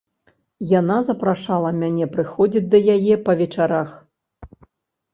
Яна запрашала мяне прыходзіць да яе па вечарах.